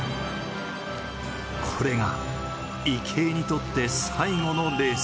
これが、池江にとって最後のレース。